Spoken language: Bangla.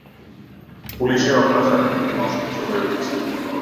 পুলিশের অত্যাচার দিনদিন অসহ্য হয়ে উঠছে।